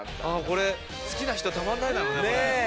これ好きな人はたまらないだろうね。